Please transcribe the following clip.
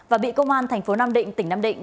và bị công an thành phố nam định tỉnh nam định